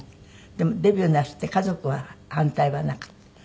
でもデビューなすって家族は反対はなかった？